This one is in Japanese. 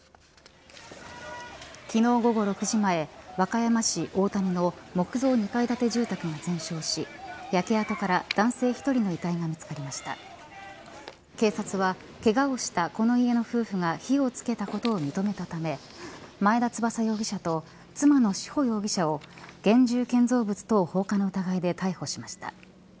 昨日、午後６時前和歌山市大谷の木造２階建て住宅が全焼し焼け跡から男性１人の遺体が見つかりました警察はけがをしたこの家の夫婦が火をつけたことを認めたため前田翼容疑者と妻の志保容疑者を現住建造物等放火の疑いで逮捕しました。